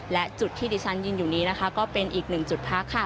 และจุดที่ดิฉันยืนอยู่นี้นะคะก็เป็นอีกหนึ่งจุดพักค่ะ